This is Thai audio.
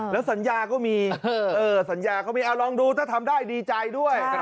แล้วสัญญาก็มีสัญญาก็มีลองดูถ้าทำได้ดีใจด้วย